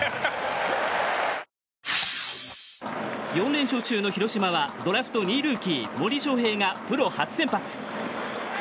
４連勝中の広島はドラフト２位ルーキー森翔平がプロ初先発。